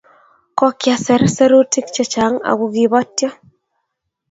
Kokiaser serunik che chang' aku kibotyo